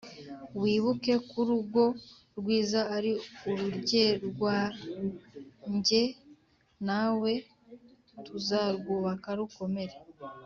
wibuke k’urugo rwiza ari urugerwanjye nawe tuzarwubaka rukomere